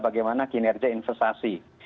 bagaimana kinerja investasi